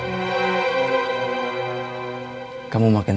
vini kau diberhenti